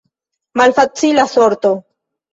Malfacila sorto.